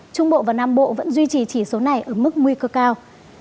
trung bộ và nam bộ vẫn duy trì chỉ số này ở mức nguy cơ cao